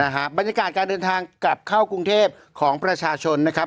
บรรยากาศการเดินทางกลับเข้ากรุงเทพของประชาชนนะครับ